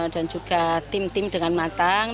dan juga tim tim dengan matang